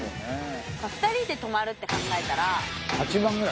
２人で泊まるって考えたら８万ぐらい？